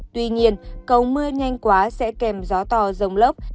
tuy nhiên cầu mưa nhanh quá sẽ kèm gió to rồng lốc